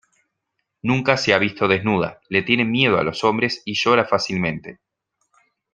Nunca se ha visto desnuda, le tiene miedo a los hombres y llora fácilmente.